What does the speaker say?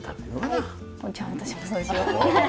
じゃあ私もそうしよう！